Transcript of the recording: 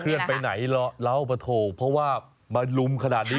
เลื่อนไปไหนเล่ามาถูกเพราะว่ามาลุมขนาดนี้